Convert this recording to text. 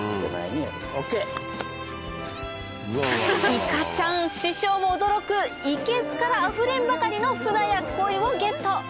いかちゃん師匠も驚くいけすからあふれんばかりのフナやコイをゲット